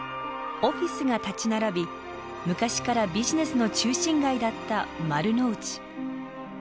オフィスが立ち並び昔からビジネスの中心街だった丸の内。